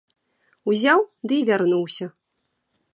Узяў ды і вярнуўся.